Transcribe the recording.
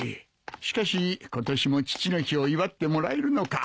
しかし今年も父の日を祝ってもらえるのか。